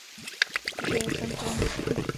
Žije v San Francisku.